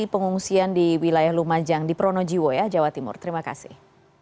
pengungsian di wilayah lumajang di pronojiwo ya jawa timur terima kasih